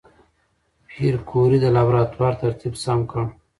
پېیر کوري د لابراتوار ترتیب سم کړ.